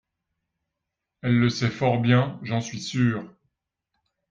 elle le sait fort bien, j'en suis sure.